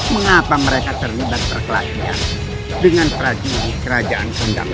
mengapa mereka terlibat berkelatihan dengan prajurit kerajaan pendamping